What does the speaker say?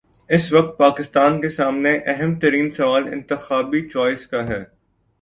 اس وقت پاکستان کے سامنے اہم ترین سوال انتخابی چوائس کا ہے۔